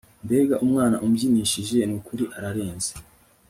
mbega umwana umbyinishije nukuri ararenze